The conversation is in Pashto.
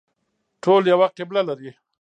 ټول یوه قبله لري